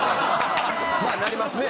まあなりますね。